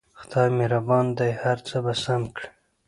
خدای مهربان دی هر څه به سم کړي